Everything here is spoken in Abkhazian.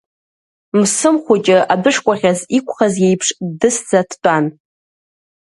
Мсым Хәыҷы адәышкәаӷьаз иқәхаз иеиԥш ддысӡа дтәан.